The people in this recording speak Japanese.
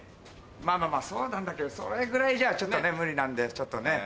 まぁまぁそうなんだけどそれぐらいじゃあちょっと無理なんでちょっとね。